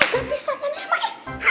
tegapis sama nema eh